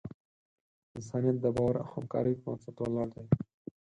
انسانیت د باور او همکارۍ پر بنسټ ولاړ دی.